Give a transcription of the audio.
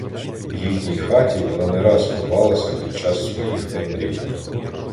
В їхній хаті вона не раз ховалася під час своїх мандрівок.